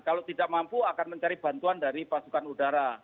kalau tidak mampu akan mencari bantuan dari pasukan udara